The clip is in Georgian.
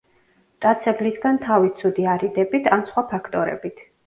მტაცებლისგან თავის ცუდი არიდებით, ან სხვა ფაქტორებით.